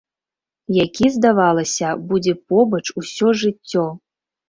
Які, здавалася, будзе побач усё жыццё.